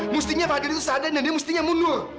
mestinya fadil itu sadar dan dia mustinya mundur